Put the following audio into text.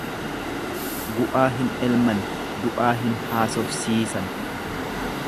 Gu'aa hin elman, du'aa hin haasofsiisan.